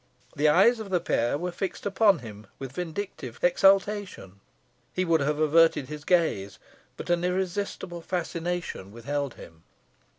The eyes of the pair were fixed upon him with vindictive exultation. He would have averted his gaze, but an irresistible fascination withheld him.